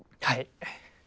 はい。